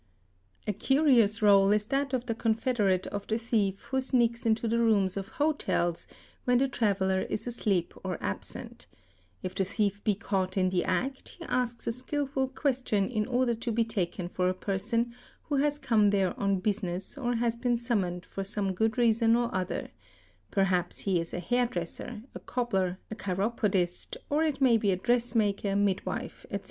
A curious réle is that of the confederate of the thief who sneaks into the rooms of hotels when the traveller is asleep or absent; if the thief be caught in the act, he asks a skilful question in order to be taken for a person who has come there on business or has been suminoned for some good reason or other; perhaps he is a hairdresser, a cobbler, a chiropodist, or it may be a dress maker, midwife, etc.